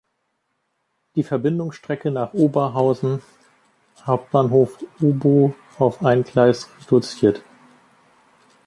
Die Verbindungsstrecke nach Oberhausen Hbf Obo auf ein Gleis reduziert.